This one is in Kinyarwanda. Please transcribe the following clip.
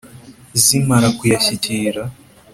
zimara kuyashyikira